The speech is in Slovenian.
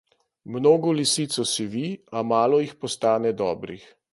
Mnogo lisic osivi, a malo jih postane dobrih.